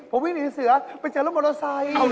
ผมวิ่งหนีเสือไปเจอรถมอเตอร์ไซค์